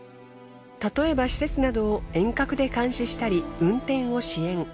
例えば施設などを遠隔で監視したり運転を支援。